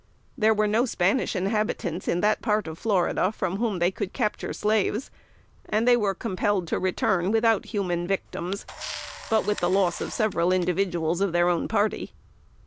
There were no Spanish inhabitants in that part of Florida from whom they could capture slaves, and they were compelled to return without human victims, but with the loss of several individuals of their own party.